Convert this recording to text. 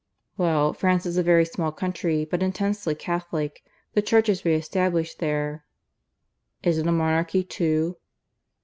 "Well, France is a very small country, but intensely Catholic. The Church is re established there, " "Is it a monarchy too?"